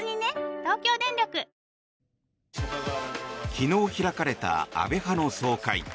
昨日開かれた安倍派の総会。